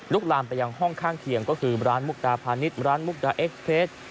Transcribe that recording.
ลามไปยังห้องข้างเคียงก็คือร้านมุกดาพาณิชย์ร้านมุกดาเอ็กซเพลจ